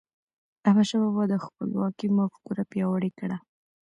احمدشاه بابا د خپلواکی مفکوره پیاوړې کړه.